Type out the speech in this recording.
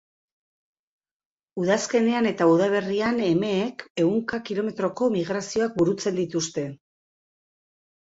Udazkenean eta udaberrian, emeek ehunka kilometroko migrazioak burutzen dituzte.